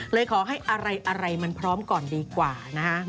ขอให้อะไรมันพร้อมก่อนดีกว่านะฮะ